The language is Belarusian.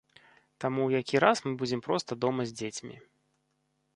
Таму ў які раз мы будзем проста дома з дзецьмі.